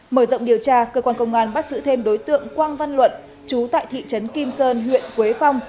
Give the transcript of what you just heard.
mở rộng điều tra cơ quan công an bắt giữ thêm đối tượng quang văn luận chú tại thị trấn kim sơn huyện quế phong